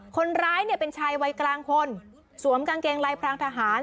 คนร้ายเนี่ยเป็นชายวัยกลางคนสวมกางเกงลายพรางทหาร